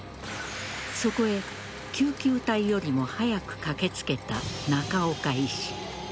そこへ救急隊よりも早く駆けつけた中岡医師。